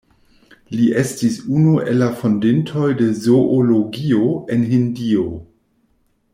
Li estis unu el la fondintoj de zoologio en Hindio.